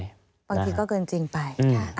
บางทีก็เกินจริงไป